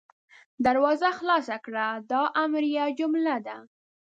دروازه خلاصه کړه – دا امریه جمله ده.